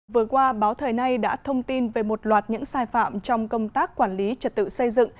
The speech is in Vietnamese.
vừa qua báo thời nay đã thông tin về một loạt những sai phạm trong công tác quản lý trật tự xây dựng